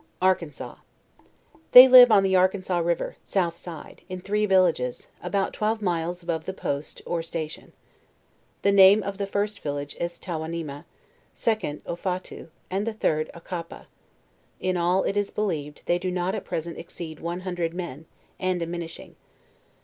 ARKANSAS. They live on the Arkansas river, south side, in three villages, about twelve miles above the post, or sta tion. The name of the first village is Towanima; second Oufotu, and the third Ocapa; in all, it is believed, they do not at present exceed one hundred men, and diminishing.